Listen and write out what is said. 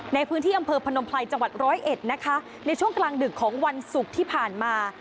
ในพื้นที่อำเภอพนมไพรจังหวัดร้อยเอ็ดนะคะในช่วงกลางดึกของวันศุกร์ที่ผ่านมา